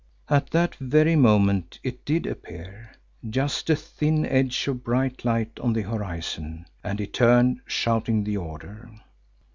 At that very moment it did appear, just a thin edge of bright light on the horizon, and he turned, shouting the order.